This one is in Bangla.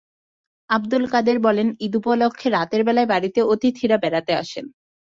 আবদুল কাদের বলেন, ঈদ উপলক্ষে রাতের বেলায় বাড়িতে অতিথিরা বেড়াতে আসেন।